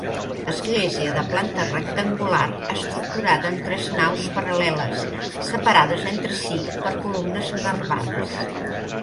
Església de planta rectangular estructurada en tres naus paral·leles, separades entre si per columnes nervades.